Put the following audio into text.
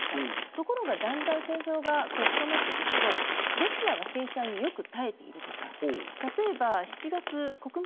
ところがだんだん戦争が深まってくるとロシアは制裁によく耐えてるとか。